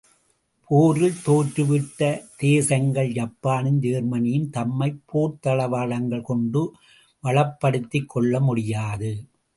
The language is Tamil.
போரில் தோற்றுவிட்ட தேசங்கள் ஜப்பானும் ஜெர்மனியும் தம்மைப் போர்த்தளவாடங்கள் கொண்டு வளப்படுத்திக்கொள்ள முடியாது.